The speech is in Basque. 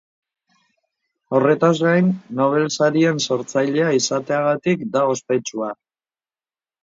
Horretaz gain, Nobel sarien sortzailea izateagatik da ospetsua.